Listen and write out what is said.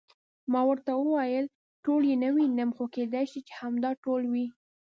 ما ورته وویل: ټول یې نه وینم، خو کېدای شي چې همدا ټول وي.